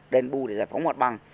đền bù để giải phóng mặt bằng